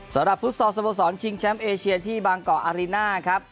สำหรับฟุตซอสสมสรค์ชิงแชมป์เอเชียที่บางกอร์อารีน่าครับ